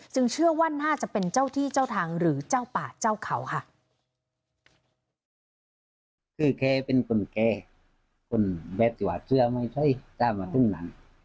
เชื่อว่าน่าจะเป็นเจ้าที่เจ้าทางหรือเจ้าป่าเจ้าเขาค่ะ